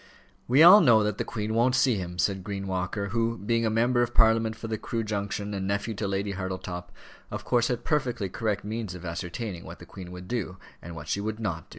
"We all know that the Queen won't see him," said Green Walker, who, being a member of Parliament for the Crewe Junction, and nephew to Lady Hartletop, of course had perfectly correct means of ascertaining what the Queen would do, and what she would not.